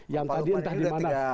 yang tahu entah di mana